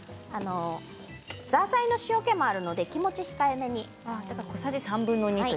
ザーサイの塩けもあるので気持ち控えめに。